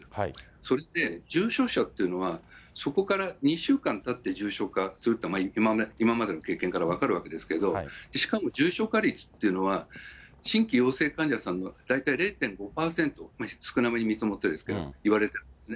それで重症者っていうのは、そこから２週間たって重症化すると、今までの経験から分かるわけですけれども、しかも重症化率というのは、新規陽性患者さんの大体０．５％、少なめに見積もってですけれども、いわれているんですね。